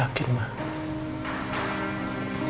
yakin dengan ketetapan allah